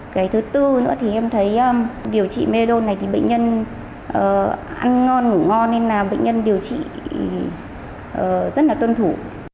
cái thứ tư nữa thì em thấy điều trị medon này thì bệnh nhân ăn ngon ngủ ngon nên là bệnh nhân điều trị rất là tuân thủ